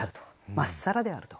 まっさらであると。